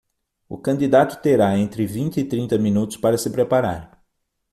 O candidato terá entre vinte e trinta minutos para se preparar.